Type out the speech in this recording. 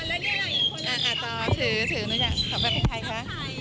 อ่าต่อถือหนูชอบเป็นใครคะ